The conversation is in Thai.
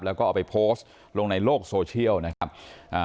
แล้วก็เอาไปโพสต์ลงในโลกโซเชียลนะครับอ่า